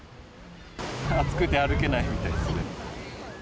暑くて歩けないみたいですね。